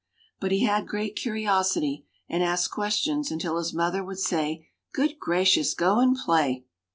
But he had great curiosity and asked questions until his mother would say, "Goodness gracious, go and play!"